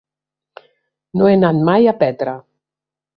No he anat mai a Petra.